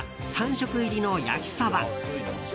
３食入りの焼きそば。